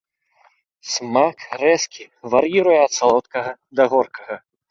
Смак рэзкі, вар'іруе ад салодкага да горкага.